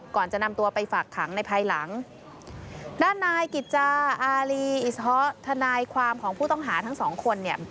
ก่อนจะนำตัวไปฝากขังในภายหลังด้านนายกิจจาอารีอิสฮอทนายความของผู้ต้องหาทั้งสองคนเนี่ย